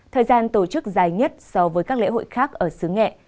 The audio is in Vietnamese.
thời gian tổ chức dài nhất so với các lễ hội khác ở xứ nghệ